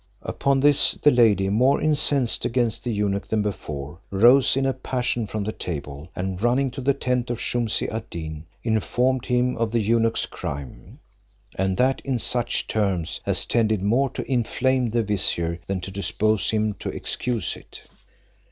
Upon this, the lady, more incensed against the eunuch than before, rose in a passion from the table, and running to the tent of Shumse ad Deen, informed him of the eunuch's crime; and that in such terms, as tended more to inflame the vizier than to dispose him to excuse it.